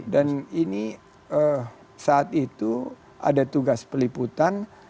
dan ini saat itu ada tugas peliputan